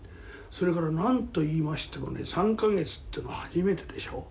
それから何と言いましても３か月ってのは初めてでしょう？